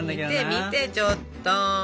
見て見てちょっと。